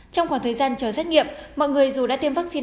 trong khoảng thời gian chờ xét nghiệm mọi người dù đã tiêm vaccine